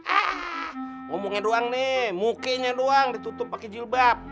aaaaah ngomongnya doang nih mukenya doang ditutup pake jilbab